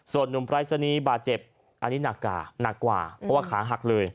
ส่วนหนุ่มปรายศนีย์บาดเจ็บอันนี้หนักกว่าหนักกว่าเพราะว่าขาหักเลย